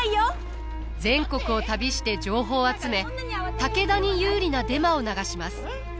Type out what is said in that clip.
全国を旅して情報を集め武田に有利なデマを流します。